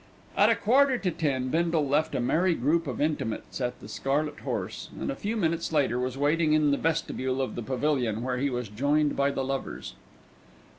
At a quarter to ten Bindle left a merry group of intimates at the Scarlet Horse, and a few minutes later was waiting in the vestibule of the Pavilion, where he was joined by the lovers.